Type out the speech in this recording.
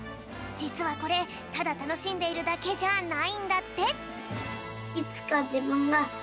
じつはこれただたのしんでいるだけじゃないんだって。